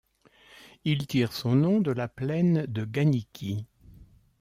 Il tire son nom de la plaine de Ganiki.